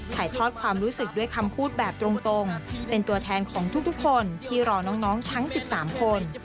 ถ่ายทอดความรู้สึกด้วยคำพูดแบบตรงเป็นตัวแทนของทุกคนที่รอน้องทั้ง๑๓คน